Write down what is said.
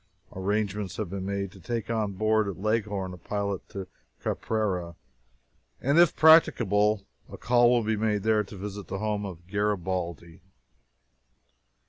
Arrangements have been made to take on board at Leghorn a pilot for Caprera, and, if practicable, a call will be made there to visit the home of Garibaldi.